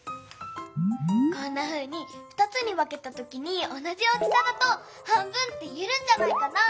こんなふうに２つにわけたときにおなじ大きさだと半分っていえるんじゃないかな。